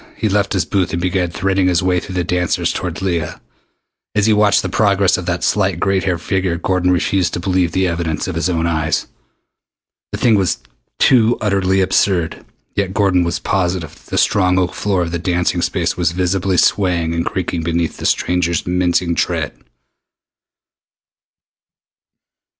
He left his booth and began threading his way through the dancers toward Leah. As he watched the progress of that slight gray haired figure Gordon refused to believe the evidence of his own eyes. The thing was too utterly absurd yet Gordon was positive that the strong oak floor of the dancing space was visibly swaying and creaking beneath the stranger's mincing tread!